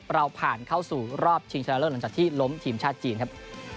เราผ่านเข้าสู่รอบชิงชนะเลิศหลังจากที่ล้มทีมชาติจีนครับ